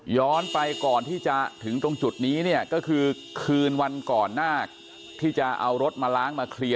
ไปก่อนที่จะถึงตรงจุดนี้เนี่ยก็คือคืนวันก่อนหน้าที่จะเอารถมาล้างมาเคลียร์